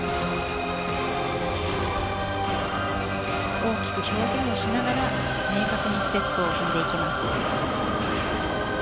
大きく表現をしながら明確にステップを踏んでいきます。